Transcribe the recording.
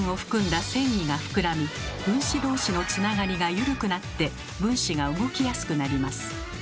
繊維が膨らみ分子同士のつながりが緩くなって分子が動きやすくなります。